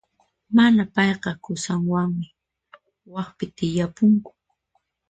Mana, payqa qusanwanmi waqpi tiyapunku.